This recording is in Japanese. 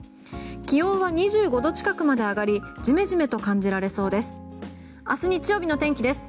気温は２５度近くまで上がりジメジメと感じられそうです。